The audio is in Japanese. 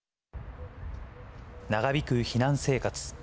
長引く避難生活。